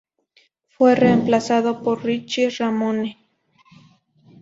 Fue reemplazado por Richie Ramone.